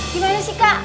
gimana sih kak